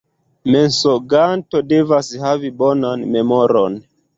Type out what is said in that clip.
Mensoganto devas havi bonan memoron.